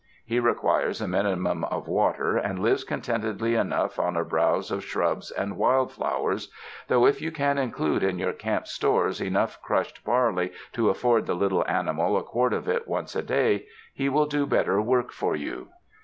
He requires a minimum of water, and lives contentedly enough on a browse of shrubs and wild flowers, though if you can include in your camp stores enough crushed bar ley to afford the little animal a quart of it once a day, he will do better work for you.